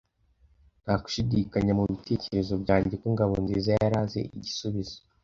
Nta gushidikanya mubitekerezo byanjye ko Ngabonzizayari azi igisubizo.